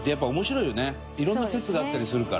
いろんな説があったりするから。